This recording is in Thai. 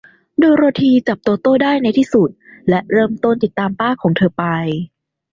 โดโรธี จับโตโต้ได้ในที่สุด และเริ่มต้นติดตามป้าของเธอไป